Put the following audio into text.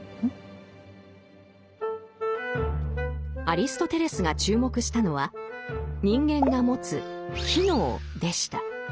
アリストテレスが注目したのは人間が持つ「機能」でした。